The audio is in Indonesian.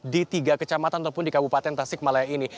di tiga kecamatan ataupun di kabupaten tasik malaya ini